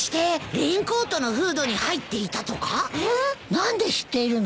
何で知っているの？